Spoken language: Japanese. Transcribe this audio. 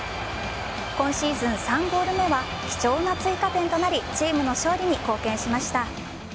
今シーズン３ゴール目は貴重な追加点となりチームの勝利に貢献しました。